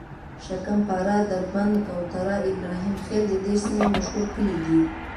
شکم پاره، دربند، کوتره، ابراهیم خیل د دې سیمې مشهور کلي دي.